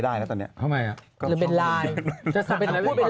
กินระเบียบ